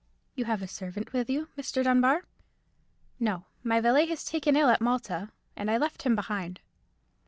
"You have a servant with you, Mr. Dunbar?" "No, my valet was taken ill at Malta, and I left him behind."